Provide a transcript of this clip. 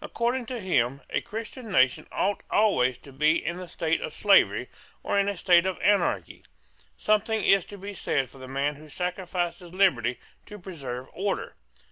According to him, a Christian nation ought always to be in a state of slavery or in a state of anarchy. Something is to be said for the man who sacrifices liberty to preserve order.